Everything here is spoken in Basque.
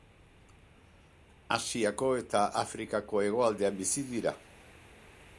Asiako eta Afrikako hegoaldean bizi dira.